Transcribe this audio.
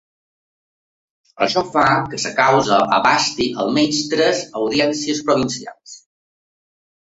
Això fa que la causa abasti almenys tres audiències provincials.